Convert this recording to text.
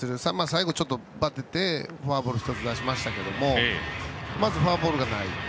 最後、ばててフォアボールを１つ出しましたけどまずフォアボールがない。